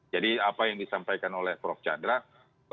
jadi apa yang disampaikan oleh prof cak